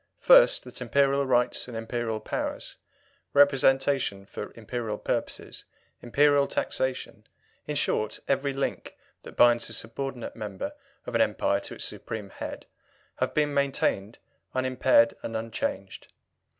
First, that Imperial rights and Imperial powers, representation for Imperial purposes, Imperial taxation in short, every link that binds a subordinate member of an Empire to its supreme head have been maintained unimpaired and unchanged.